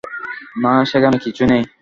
না, সেখানে কিছুই নেই।